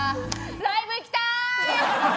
ライブ行きたい！